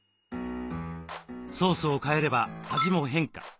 ソースを替えれば味も変化。